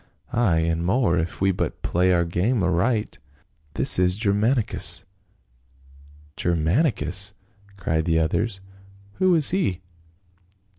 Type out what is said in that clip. Ay, and more, if we but play our game aright. This is Gcrmanicus." " Germanicus !" cried the others. "Who is he